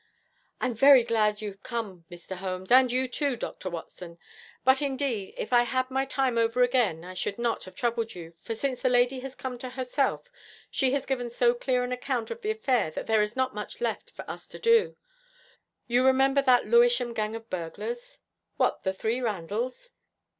'I'm very glad you have come, Mr. Holmes. And you, too, Dr. Watson. But, indeed, if I had my time over again, I should not have troubled you, for since the lady has come to herself, she has given so clear an account of the affair that there is not much left for us to do. You remember that Lewisham gang of burglars?' 'What, the three Randalls?'